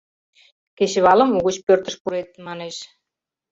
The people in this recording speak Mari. Кечывалым угыч пӧртыш пурет» — манеш.